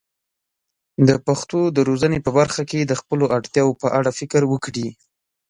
د پښتو د روزنې په برخه کې د خپلو اړتیاوو په اړه فکر وکړي.